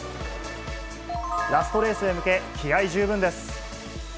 ラストレースへ向け、気合い十分です。